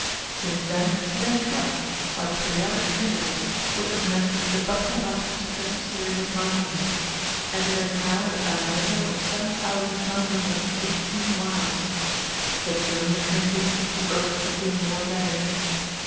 Since then it has shrunk, by periodic shrinkages which have meant the buckling up of successive series of mountains, and it has now a diameter of 7,918 miles. But during the shrinking the earth became more varied.